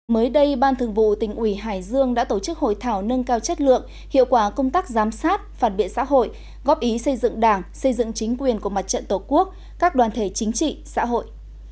mới đây ban thường vụ tỉnh ủy hải dương đã tổ chức hội thảo nâng cao chất lượng hiệu quả công tác giám sát phản biện xã hội góp ý xây dựng đảng xây dựng chính quyền của mặt trận tổ quốc các đoàn thể chính trị xã hội